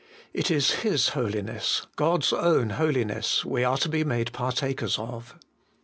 It is His Holiness, God's own Holiness, we are to be made partakers of.